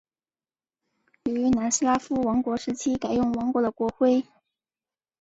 于南斯拉夫王国时期改用王国的国徽。